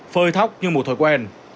phơi thóc như một thói quen